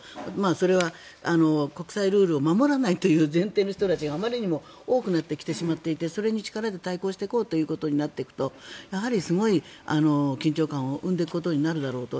それは国際ルールを守らないという前提の人たちがあまりにも多くなってきてしまっていてそれに力で対抗していこうということになっていくとやはりすごい緊張感を生んでいくことになるだろうと。